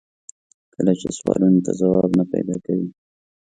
کله چې سوالونو ته ځواب نه پیدا کوي.